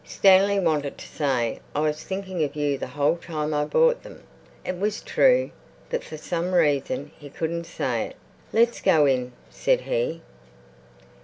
Stanley wanted to say, "I was thinking of you the whole time I bought them." It was true, but for some reason he couldn't say it. "Let's go in," said he.